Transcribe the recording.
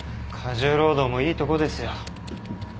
過重労働もいいとこですよ。